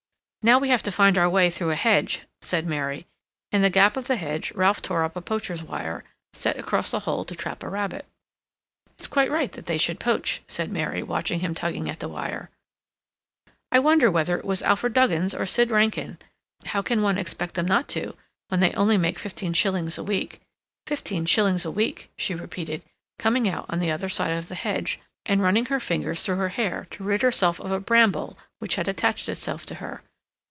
"Now we have to find our way through a hedge," said Mary. In the gap of the hedge Ralph tore up a poacher's wire, set across a hole to trap a rabbit. "It's quite right that they should poach," said Mary, watching him tugging at the wire. "I wonder whether it was Alfred Duggins or Sid Rankin? How can one expect them not to, when they only make fifteen shillings a week? Fifteen shillings a week," she repeated, coming out on the other side of the hedge, and running her fingers through her hair to rid herself of a bramble which had attached itself to her.